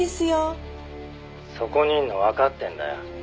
「そこにいるのはわかってるんだよ」